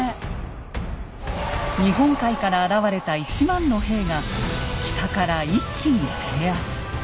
日本海から現れた１万の兵が北から一気に制圧。